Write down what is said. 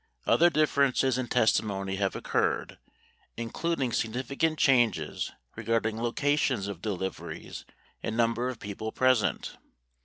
Other differences in testimony have occurred, including significant changes regarding locations of deliveries and number of people present.